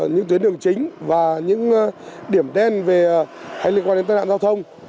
những tuyến đường chính và những điểm đen liên quan đến tài nạn giao thông